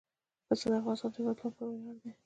پسه د افغانستان د هیوادوالو لپاره ویاړ دی.